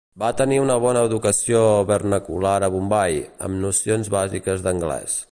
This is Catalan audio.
Va tenir una bona educació vernacular a Bombai, amb nocions bàsiques d'anglès.